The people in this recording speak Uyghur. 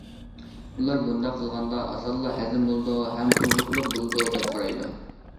ئۇلار بۇنداق قىلغاندا ئاسانلا ھەزىم بولىدۇ ھەم ئوزۇقلۇق بولىدۇ دەپ قارايدۇ.